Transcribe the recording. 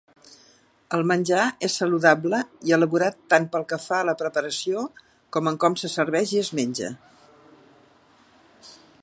El menjar és saludable i elaborat tant pel que fa a la preparació com en com se serveix i es menja.